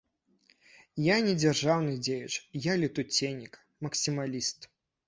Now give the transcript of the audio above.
Я не дзяржаўны дзеяч, я летуценнік, максімаліст.